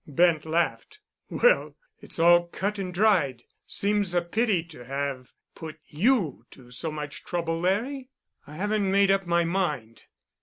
Bent laughed. "Well, it's all cut and dried. Seems a pity to have put you to so much trouble, Larry. I haven't made up my mind.